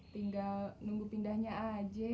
tinggal nunggu pindahnya aja